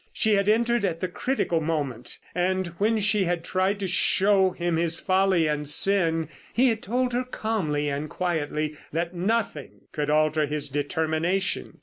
She had entered at the critical moment. And when she had tried to show him his folly and sin, he had told her, calmly and quietly, that nothing could alter his determination.